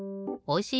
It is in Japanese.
お！